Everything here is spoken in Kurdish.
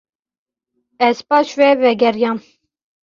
Ez paş ve vegeriyam.